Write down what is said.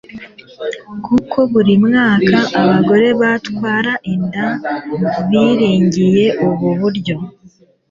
kuko buri mwaka abagorebatwara inda biringiye ubu buryo